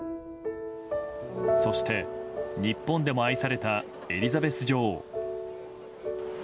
そして、日本でも愛されたエリザベス女王。